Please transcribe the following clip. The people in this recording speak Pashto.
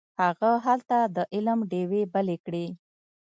هغه هلته د علم ډیوې بلې کړې.